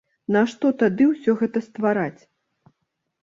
Нашто тады ўсё гэта ствараць?